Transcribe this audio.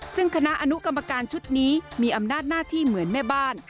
ซึ่งคณะอนุกรรมการชุดนี้มีอำนาจหน้าที่เหมือนแม่บ้าน